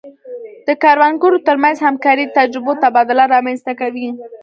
د کروندګرو ترمنځ همکاري د تجربو تبادله رامنځته کوي.